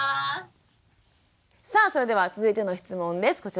さあそれでは続いての質問です。